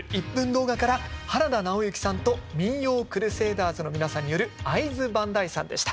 動画から原田直之さんと民謡クルセイダーズの皆さんによる「会津磐梯山」でした。